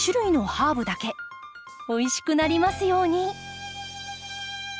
おいしくなりますように。